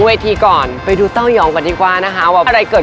ก่อนไปดูเต้ายองก่อนดีกว่านะคะว่าอะไรเกิด